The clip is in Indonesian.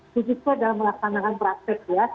sedikit saja dalam melaksanakan praktek ya